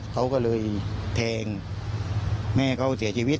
เขาก็เลยแทงแม่เขาเสียชีวิต